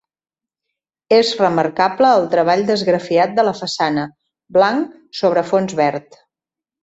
És remarcable el treball d'esgrafiat de la façana, blanc sobre fons verd.